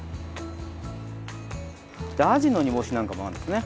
アジの煮干しなんかもあるんですね。